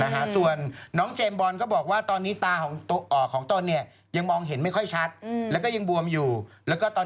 หวาดพวาก็คือเหมือน